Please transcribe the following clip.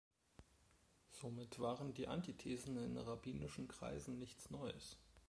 Somit waren die Antithesen in rabbinischen Kreisen nichts Neues.